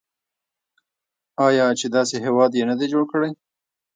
آیا چې داسې هیواد یې نه دی جوړ کړی؟